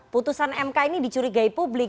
putusan mk ini dicurigai publik